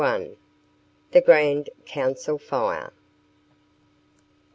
THE GRAND COUNCIL FIRE.